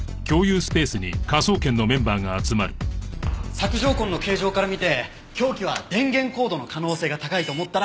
索条痕の形状から見て凶器は電源コードの可能性が高いと思ったら。